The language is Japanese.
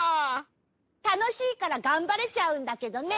たのしいからがんばれちゃうんだけどね！